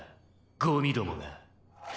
ゴミどもが。